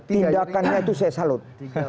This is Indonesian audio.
tindakannya itu saya salut